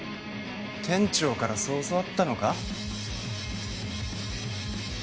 店長からそう教わったのか？